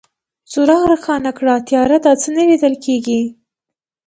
څراغ روښانه کړه، تياره ده، څه نه ليدل کيږي.